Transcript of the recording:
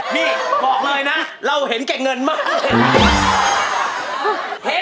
นี่บอกเลยนะเราเห็นแก่เงินมากเลย